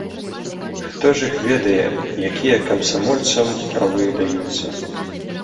Хто ж іх ведае, якія камсамольцам правы даюцца.